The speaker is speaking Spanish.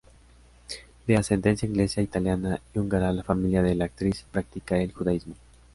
De ascendencia inglesa, italiana, y húngara la familia de la actriz practica el judaísmo.